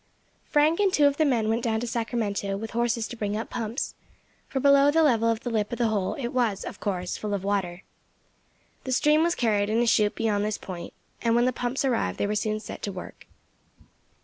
Frank and two of the men went down to Sacramento with horses to bring up pumps, for below the level of the lip of the hole it was, of course, full of water. The stream was carried in a shoot beyond this point, and when the pumps arrived they were soon set to work.